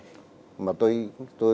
có ba loại người